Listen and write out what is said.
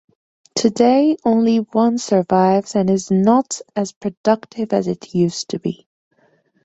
Today only one survives and is not as productive as it used to be.